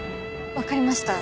わかりました。